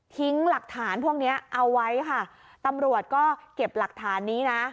หลักฐานพวกเนี้ยเอาไว้ค่ะตำรวจก็เก็บหลักฐานนี้นะ